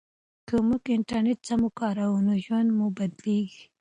که موږ انټرنیټ سم وکاروو نو ژوند مو بدلیږي.